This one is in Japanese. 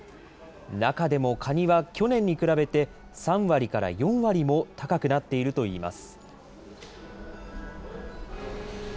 中でもカニは、去年に比べて３割から４割も高くなっているといいます。